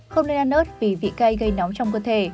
không nên ăn ớt vì vị cay gây nóng trong cơ thể